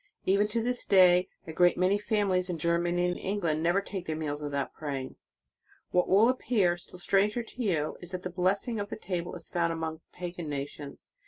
Even to this day, a great many families in Germany and England never take their meals without praying. What will appear still stranger to you, is that the blessing of the table is found among pagan nations.